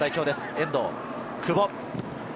遠藤、久保。